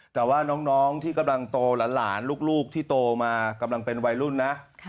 แต่ว่าน้องที่กำลังโตหลานลูกที่โตมากำลังเป็นวัยรุ่นนะ